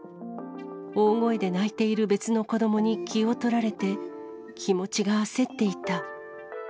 大声で泣いている別の子どもに気を取られて、気持ちが焦っていた。